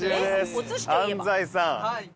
安齋さん。